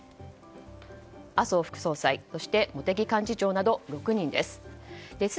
麻生副総裁そして茂木幹事長など６人です。